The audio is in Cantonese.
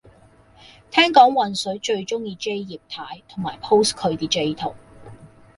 聽講渾水最鍾意 J 葉太，同埋 post 佢啲 J 圖